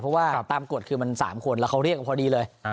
เพราะว่าตามกฎคือมัน๓คนแล้วเขาเรียกกันพอดีเลย